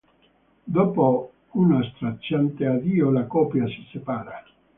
Dopo uno straziante addio la coppia si separa.